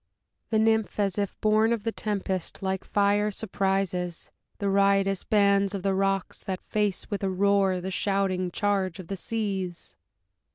The Nymph, as if born of the tempest, like fire surprises The riotous bands of the rocks, That face, with a roar, the shouting charge of the seas.